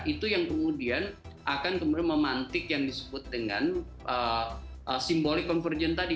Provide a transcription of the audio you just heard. itu yang kemudian akan kemudian memantik yang disebut dengan symbolic convergence tadi